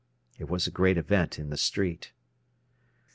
It was a great event in the street.